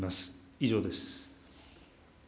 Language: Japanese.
以上です。